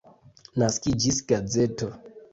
Naskiĝis gazeto.